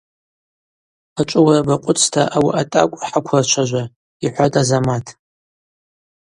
Ачӏвыуара бакъвыцӏта ауи атӏакӏв хӏаквырчважва, – йхӏватӏ Азамат.